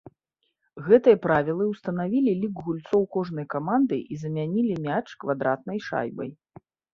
Гэтыя правілы ўстанавілі лік гульцоў кожнай каманды і замянялі мяч квадратнай шайбай.